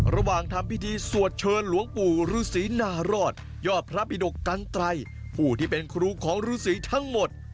ระหว่างทำพิธีสวดเชิญหลวงปู่ฤษีนารอดยอดพระพิดกกันไตรผู้ที่เป็นครูของฤษีทั้งหมด